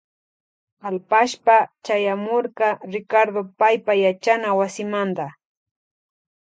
Kalpashpa chayamurka Ricardo paypa yachana wasimanta.